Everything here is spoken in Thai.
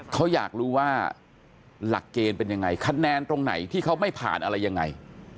เขาอยากรู้ว่าหลักเกณฑ์เป็นยังไงคะแนนตรงไหนที่เขาไม่ผ่านอะไรยังไง